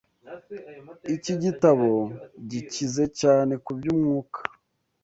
iki gitabo gikize cyane ku by’umwuka